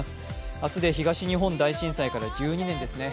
明日で東日本大震災から１２年ですね。